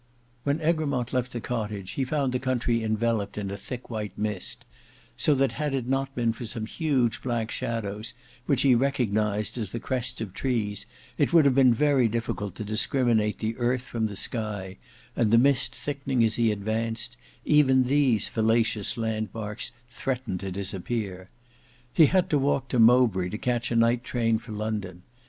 When Egremont left the cottage, he found the country enveloped in a thick white mist, so that had it not been for some huge black shadows which he recognized as the crests of trees, it would have been very difficult to discriminate the earth from the sky, and the mist thickening as he advanced, even these fallacious landmarks threatened to disappear. He had to walk to Mowbray to catch a night train for London.